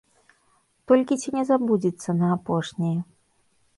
Толькі ці не забудзецца на апошняе?